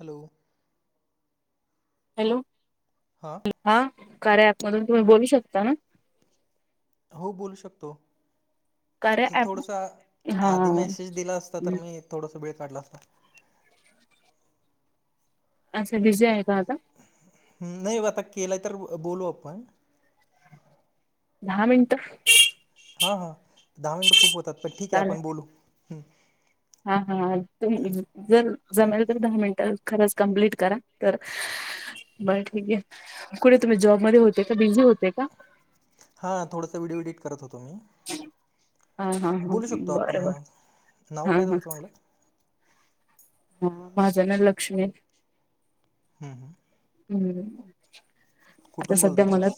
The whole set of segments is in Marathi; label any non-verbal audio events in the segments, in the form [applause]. हॅलो.. हॅलो.. हा.. हा.. कार्या ऍप मधून तुम्ही बोलू शकता ना? हो बोलू शकतो. कार्या ॲप थोडसा हा आधी मेसेज दिला असता तर? मी थोडस वेळ काढला असता? अच्छा बिझी आहे का आता? हम्म नाही आता केला तर बोलू आपण. दहा मिनिट. हा दहा मिनटं खूप होतात. पण ठीक आहे चालेल आपण बोलू हम्म. हा -हा अ [unintelligible] जर जमेल तर दहा मिनटं खरंच कम्प्लीट करा तर बरं ठीक आहे कुठे तुम्ही जॉबमध्ये होतेय का? बिझी होते का? हा थोडंसा व्हिडिओ एडिट करत होतो. मी हा हा हा बोलू शकतो आपण बरं बर हा नाव हा काय? तुमचं म्हटलं? हम्म.. माझ ना लक्ष्मी. ह्म्म. - ह्म्म. हम्म.. आता कुठून बोलता सध्या मला तुम्ही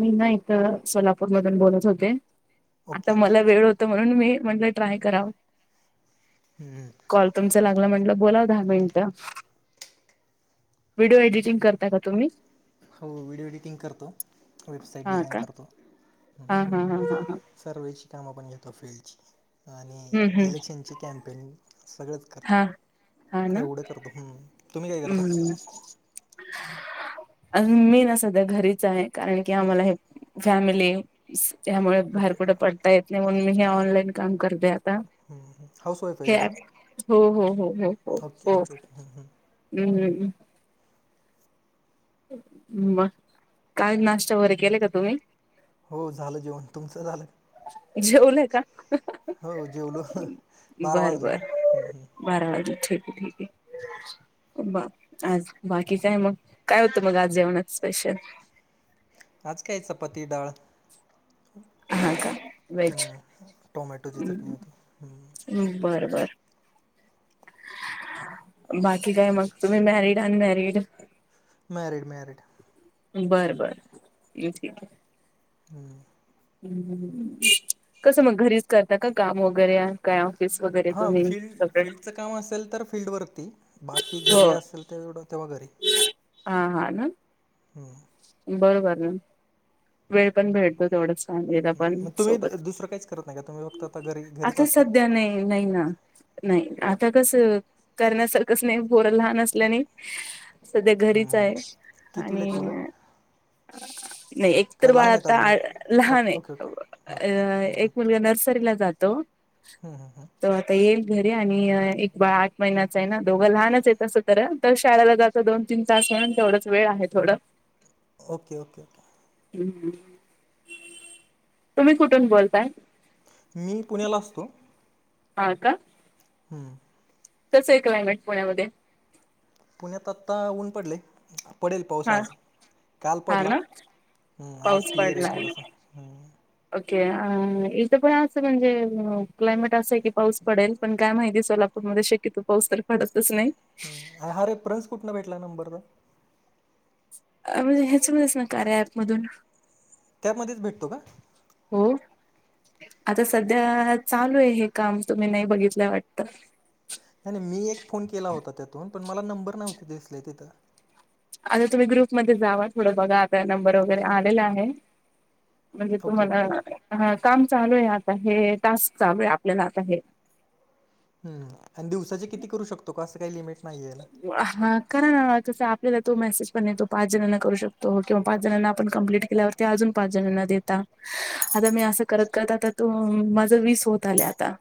मी ना इकड सोलापूर मधून बोलत होते. ओके आता मला वेळ होत होता म्हणून मी म्हटल ट्राय कराव? [inaudible] कॉल तुमच लागला म्हटलं बोलाव दहा मिनिट व्हिडिओ एडिटंग करता का तुम्ही? हो व्हिडिओ एडिटिंग करतो. वेबसाईट हा डिझाईन का करतो. हा हा हा हा हा सर्वेची काम आपण घेतो फिल्डची आणि हम्म हम्म इलेक्शनची कॅम्पिंग सगळंच हा. हा करतो ना एवढं करतो. हम्म. हम्म. मी ना सध्या घरीच आहे. कारण की आम्हाला हे फॅमिली त्यामुळे बाहेर ओके. कुठे पडता येत नाही. म्हणून मी हे ऑनलाईन काम करते. आता हाऊस वाईफ आहे हे का तुम्ही? हो - हो - हो -हो - हो- हो. हम्म - हम्म. हम्म. मग काही नाश्ता वगैरे केले का तुम्ही? हो झालं जेवण तुमचं झालं? जेवलंय का? हो जेवलो बारा बर वाजले ना बर हम्म - हम्म. बारा वाजले ठीक आहे- ठीक आहे. बाप आज बाकी काय मग काय होतं मग आज जेवणात स्पेशल? आज काय चपाती डाळ. हा का व्हेज हम्म. टोमॅटोची चटणी होती. हम्म. बरं - बर. बाकी काय मग तुम्ही मॅरिड अनमॅरिड? Married - married. बर - बर ये ठीक आहे. हम्म. हम्म कसं मग घरीच करता का? काम वगैरे काय ऑफिस वगैरे हां, तुम्ही फील्ड [unintelligible] फील्डचं काम असेल तर फील्डवरती बाकी घरी हो असेल तेवढं तेव्हा घरी हा हा ना बरोबर ना. वेळ पण भेटतो तेवढच. चांांगले पण हं. मग तुम्ही दु सोबत दुसरं काहीच करत नाही का? तुम्ही फक्त आता घरी घरीच आता असता? सध्या नाही नाही ना. नाही आता कस करण्यासारखंच नाही पोर लहान असल्याने सध्या हं, घरीच हं. आहे. कितवीला आणि आहेत मुलं? नाही एक का मित्र बाळ लहान आहेत आता अजून? लहान ओके, आहे ओके, ओके. Okay, okay. अ एक मुलगा नर्सरीला जातो. हम हम हम तो आता येईल घरी आणि एक बा आठ महिन्याचा आहे. ना दोघं लहानच आहेत असं तर तर शाळेला जातं दोन तीन तास म्हणून तेवढंच वेळ आहे थोडं ओके ओके ओके ह तुम्ही कुठून बोलताय? मी पुण्याला असतो. हा का? हम्म कसा आहे क्लाइमेट पुण्यामध्ये. पुण्यात आत्ता ऊन पडले. पडेल पाऊस हा आज काल हा पडला ना आज पाऊस क्लिअर आहे पडलाय. थोडंसं. ओके अ इथं पण असं म्हणजे क्लायमेट असं आहे. की पाऊस पडेल पण काय माहिती सोला मध्ये शक्यतो पाऊस तर पडतच नाही. ह् हा रेप्रन्स कुठनं? भेटला नंबर तर म्हणजे ह्याच मणच ना कार्या ऍपमधून त्यामध्येच भेटतो का! हो आता सध्या चालू आहे हे काम तुम्ही नाही बघितलंय वाटत नाही नाही मी एक फोन केला होता त्यातून पण मला नंबर नव्हती दिसले तिथं आता तुम्ही ग्रुप मध्ये जावा थोडं बघा आता नंबर वगैरे आलेला आहे. म्हणजे ओके तुम्हाला ओके ह काम चालू आहे आत आहे टास्क चालू आहे आपल्याला आत आहे. हम् आणि दिवसाचे किती करू शकतो का असं काही लिमिट नाहीे ना. हा कारण ना तस आपल्याला तो मेसेज पण येतो पाच जणांना करू शकतो किंवा पाच जणांना आपण कंप्लीिट केल्यावर. ते अजून पाच जणांना देतात. आता मी असं करत करत आता तू माझ वीस होत आलं आता.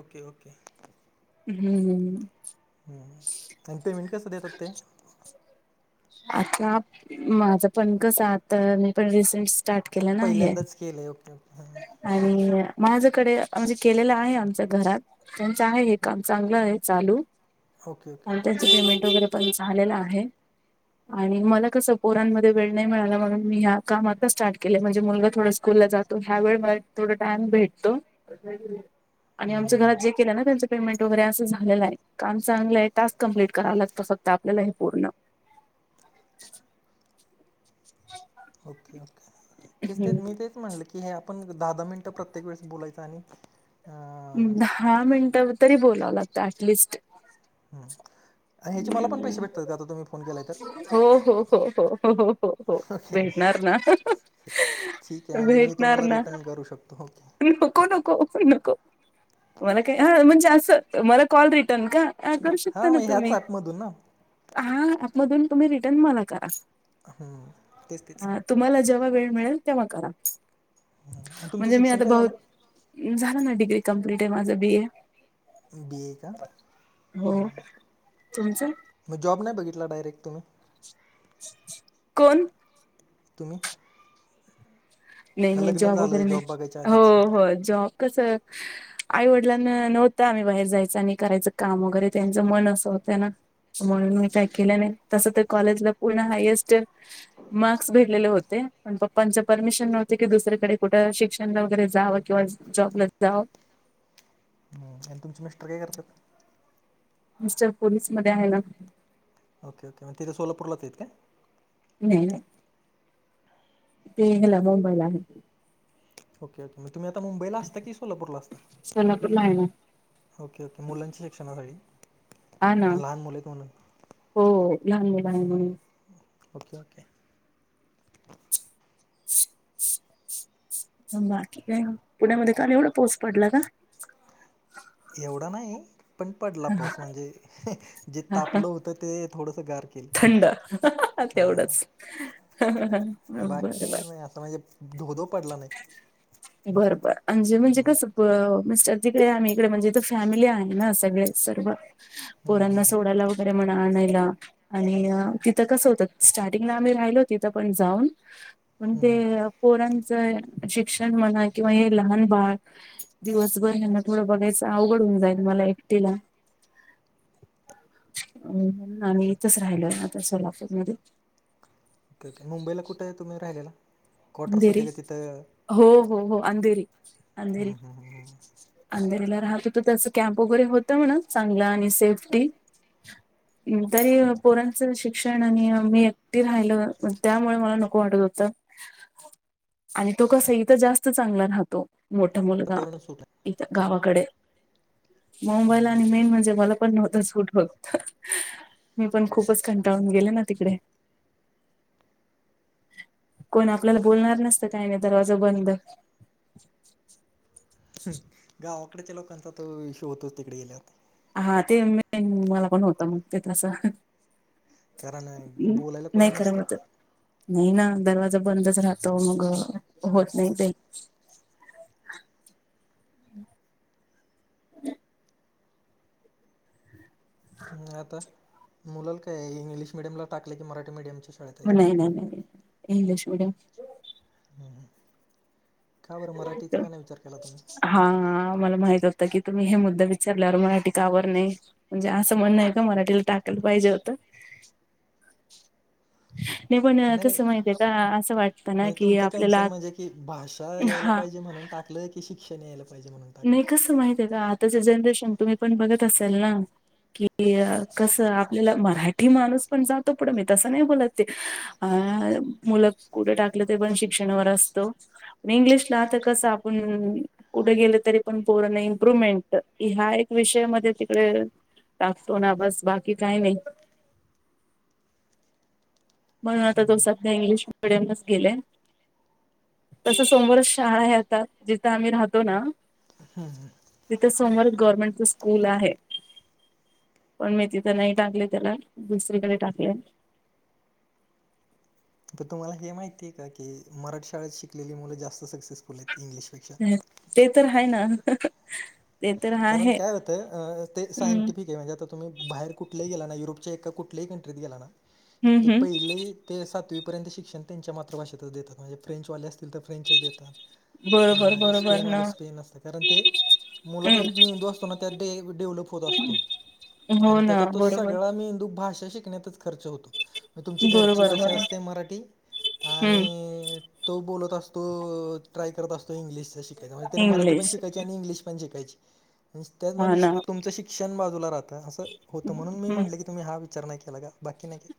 ओके ओके हम्म आणि पेमेंट कसं देतात ते आता माझं पण कस आता म पण रिसेंट स्टार्ट केलं ना हे. पहिल्यांदाच केलं आहे ओके ओके हां आणि माझ्याकडे म्हणजे केलेलं आहे आमच्या घरात त्यांचं आहे हे काम चांगलं आहे चालू ओके आणि ओके त्यांच पेमेंट वगैरे पण झालेलं आहे. आणि मला कसं पोरांमध्ये वेळ नाही मिळाला मणून मी ह्या काम आता स्टार्ट केले म्हणजे मुलगा थोड स्कूल ला जातो ह्या वळ मला थोडा टाइम भेटतो. आणि हं आमचं हं हं घरात जे केलं ना त्यांचं पेमेंट वगैरे असं झालेलं आहे काम चांगलं आहे टास्क कम्प्लीट कराव लागतं फक्त आपल्याला हे पूर्ण ओके ओके ठीक तेच मी तेच म्हणलं की हे आपण दहा दहा मिनटं प्रत्येक वेळेस बोलायचं आहे दहा मिनिटं तरी बोलावं लागतं ऍटलिस्ट आणि ह्याचे मला पण पैसे भेटतात का, आता तुम्ही फोन केलाय तर हो हो हो हो हो हो हो हो ओके भेटणार ना ठीक आहे म्हणजे मी भेटणार तुम्हाला ना, रिटर्न करू शकतो ओके नको नको पण नको मला काय हा म्हणजे असं, मला कॉल रिटर्न का, हां करू शकता हां ना मग ह्याच तुम्ही ॲपमधून ना हां, मधून तुम्ही रिटर्न मला करा हो तेच तेच. हा, तुम्हाला जेव्हा वेळ मिळेल, तेव्हा करा, आणि तुमचं म्हणजे मी शिक्षण आता काय बहु झालं आहे झालं ना डिग्री कम्प्लीट आहे माझं बी ए बी ए का, हो तुमचं मग जॉब नाही बघितला डायरेक्ट तुम्ही कोण? तुम्ही नाही, का नाही लग्न जॉब झालं वगैरे नाही, बघायच्या आधीच हो- हो जॉब कसं आईवडिलांना नव्हतं आम्ही बाहेर जायच, आणि करायचं काम वगैरे, त्यांचं मन असं होतं ना. म्हणून मी काय केल नाही. तसं तर कॉलेजला पूर्ण हायस्ट मार्कस भेटलेले होते, प पप्पाचं परमिश नव्हती की दुसरीकडे कुठे शिक्षनाला वगैरे जावं., कींवा जॉब ला जावं. हम्म, आणि तुमचे मिस्टर काय करतात? मिस्टर पोलीसमध्ये आहे ना. ओके -ओके म तिथे सोलापरला आहेत काय? हम्म् ते गेला मुंबईला आणि ओके ओके, तुम्ही आता मुंबईला असता की सोलापूरला असता.? सोलापूरला आहे ना ओके ओके मुलांच्या शिक्षणासाठी हा ना, लहान मुलं आहेत म्हणून हो लहान मुलांमुळे ओके, ओके. अ [unintelligible] बाकी काय, पुण्यामध्ये काल एवढा पाऊस पडला ना. एवढा नाही. पण पडला पाऊस म्हणजे, जे का तापलं होतं ते थोडंसं गार. केलं थंड तेवढंच हां बर ह्ह्ह्ह. कि आता म्हणजे, धों धो. बर -बर आणि जे म्हणजे कसं मिस्टर तिकडे, आम्ही इकडे, म्हणजे फॅमिली आहे ना सगळेच सर्व. हम्म, हम्म, पोरांना हम्म, सोडायला वगैरे म्हणा आणायला. आणि तिथं कसं होतं, स्टार्टिंगला आम्ही राहिलो तिथं पण जाऊन, पण हम्म, ते हम्म. पोरांचं शिक्षण म्हणा, किंवा हे लहान बाळ, दिवसभर हेना थोडं बघायचं अवघड होऊन जाईल मला एकटीला. अ आम्ही इथंच राहिलोय आता सोलापूरमध्ये. मुंबईला कुठं यतुम्ही राहिलेला? क्वार्टर्स अंधेरी होते का तिथं हो, हो, हो अंधेरी हम्म, -अंधेरी. हम्म, हम्म, हम्म. अंधेरीला राहतो तर त्याच कॅम्प वगैरे होत म्हणा, चांगलं आणि सेफ्टी हम्म तरी पोरांचं शिक्षण आणि मी एकटी राहिल पण त्यामुळे मला नको वाटत होतं आणि तो कसा इथं जास्त चांगला राहतो मोठा मुलगा वातावरण सुट इथ गावाकडे मुंबईला आणि मेन म्हणजे मला पण नव्हत सूट होत मी पण खूपच कंटाळून गेले ना तिकडे कोण आपल्याला बोलणार नसत काय नाही दरवाजा बंद हू गावाकडच्या लोकांचा तो इशु होतोच तिकड गेलयावर हा ते मेन मला पण होतं मग ते तसं कारण बोलायला कोणी नाही नसतं करमत नाही ना दरवाजा बंदच राहतो मग होत नाही ते नाही आता मुलाल काय इंग्लिश मिडियमला टाकलय काय मराठी मिडियमच्या शाळेत आहेत नाही नाही नाही नाही इंग्लिश मीडियम हू हू का बरं मराठीचा का नाही विचार केला तुम्ही हा हा मला माहित होतं की तुम्ही हे मुद्दा विचारल्यावर मराठी का बर नाही म्हणजे असं म्हणणं आहे का मराठीला टाकायला पाहिजे होतं नाही पण कसं माहितये का असं वाटतं ना की आपल्याला ती भाषा यायला हा पाहिजे म्हणून टाकलं की शिक्षण यायला पाहिजे म्हणून टाकलं? नाही कसं माहितय आहे का आताच जनरेशन तुम्ही पण बघत असाल ना कि कसं आपल्याला मराठी माणूस पण जातो पुढं मी तसं नाही बोलत आहे अ मुलं कुठे टाकलं ते पण शिक्षणावर असत इंग्लिशला आता कसं आपण कुठे गेलं तरी पण पोरांना इम्प्रुव्हमेंट की हा एक विषय मध्ये तिकड टाकतो ना बस बाकी काय नाही म्हणून आता तो सध्या इंग्लिश मिडियमच गेलाय तस समोरच शाळा आहे आता जिथं आम्ही राहतो ना हा हा तिथ समोर गव्हर्नमेंटच स्कूल आहे पण मी तिथं नाही टाकले त्याला दुसरीकडे टाकले तर तुम्हाला हे माहितीय का की मराठी शाळेत शिकलेली मुलं जास्त सक्सेसफुल आहेत इंग्लिश हू ते तर आहे ना ते तर कारण आहे. काय होतं ते हम्म सायंटिफिक आहे म्हणजे आता तुम्ही बाहेर कुठलही गेला ना युरोपच्या एका कुठल्याही कंट्रीत गेला ना तर हम्म हम्म पहिले ते सातवीपर्यंत शिक्षण त्यांच्या मातृभषेतच देतात म्हणजे फ्रेंच वाले असत फ्रेंचच देतात बरोबर बरोबर ना स्पेनवाले स्पेन असत कारण ते मुलं चा हम्म मेंदू असतो ना त्यात डेव्हलप होत असतो हो आणि ना त्याचा तो बरोबर. सगळा मेंदू भाषा शिकण्यातच खर्च होतो तुमची बरोबर घरची भाषा बरोबर असते मराठी हम्म आणि तो बोलत असतो ट्राय करत असतो इंग्लिशच शिकायच म्हणजे त्यान मराठी पण इंग्लिश शिकायची आणि इंग्लिश पण शिकायची हा मग ना तुमचं शिक्षण बाजूला राहतं असं होतं म्हणून मी हम्म. म्हटलं की तुम्ही हा विचार नाही केला का बाकी नाही काय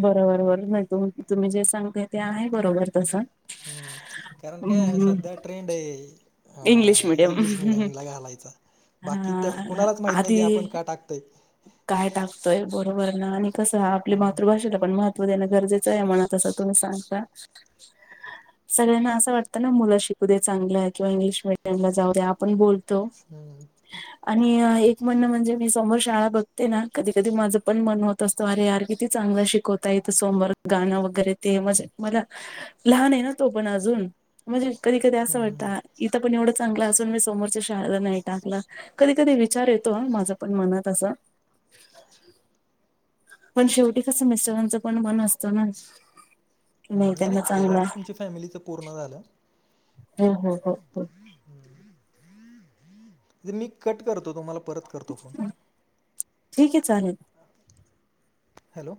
बरोबर बरोबर नाही तु तुम्ही जे सांगताय ते आहे बरोबर तसं हू कारण काय हम्म. सध्या ट्रेंड आहे इंग्लिश अ मिडियम इंग्लिश मिडियमला घालायचा बाकी त्या हा कुणालाच माहित नाही की आधी आपण का टाक तय काय टाकतोय बरोबर ना आणि कसं आपल्या मातृभाषेला पण महत्त्व देणं गरजेचं आहे म्हणा तसं तुम्ही सांगता सगळ्यांना असं वाटतं ना मुलं शिकू दे चांगल किंवा इंग्लिश मिडियमला जाऊ दे आपण बोल हम्म. आणि एक म्हणणं म्हणजे मी समोर शाळा बघते ना. कधी कधी माझं पण मन होत असतं, अरे यार किती चांगलं शिकवता येतं समोर. गाणं वगैरे ते म्हणजे मला, लहाने ना तो पण अजून. म्हणजे कधी कधी हम्म, असं हम्म. वाटतं, इथं पण एवढं चांगलं असून, मी समोरच्या शाळेला नाही टाकला. कधी कधी विचार येतो हं, माझ्या पण मनात असा. पण शेवटी कसं मिस्टरांचं पण मन असतं ना. की नाही नाही, त्यांना ते चांगला झालं तुमच्या फॅमिलीचं पूर्ण झालं. हो हो हो हो. मी कट करतो, तुम्हाला परत करतो फोन. ठीके चालेल. हॅलो.